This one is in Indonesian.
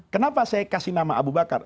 kenapa saya kasih nama abu bakar